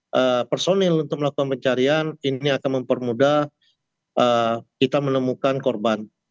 jadi personil untuk melakukan pencarian ini akan mempermudah kita menemukan korban